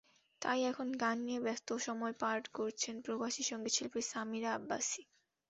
তাই এখন গান নিয়ে ব্যস্ত সময় পার করছেন প্রবাসী সংগীতশিল্পী সামিরা আব্বাসী।